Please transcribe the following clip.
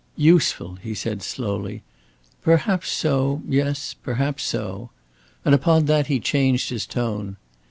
"Useful," he said, slowly. "Perhaps so, yes, perhaps so." And upon that he changed his tone.